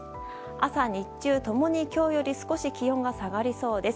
朝、日中共に今日より少し気温が下がりそうです。